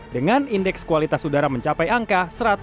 dengan indeks kualitas udara mencapai angka satu ratus lima puluh